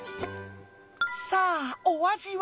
さあお味は？